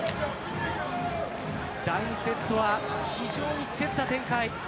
第２セットは非常に競った展開